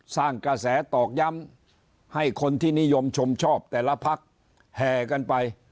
สร้างกระแสตอกย้ำให้คนที่นิยมชมชอบแต่ละพักแห่กันไป